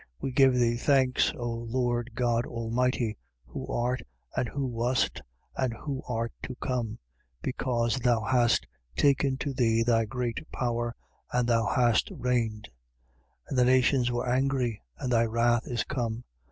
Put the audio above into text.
We give thee thanks, O Lord God Almighty, who art and who wast and who art to come: because thou hast taken to thee thy great power, and thou hast reigned. 11:18. And the nations were angry: and thy wrath is come.